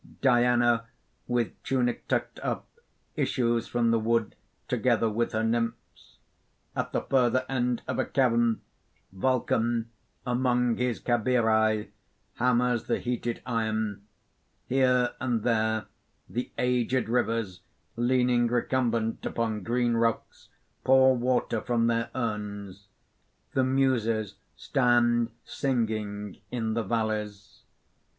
_ Diana, with tunic tucked up, issues from the wood together with her nymphs. _At the further end of a cavern, Vulcan among his Cabiri, hammers the heated iron; here and there the aged Rivers leaning recumbent upon green rocks pour water from their urns; the Muses stand singing in the valleys_.